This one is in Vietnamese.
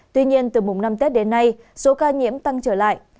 tuy nhiên từ mùng năm tết đến nay số ca nhiễm tăng trở lại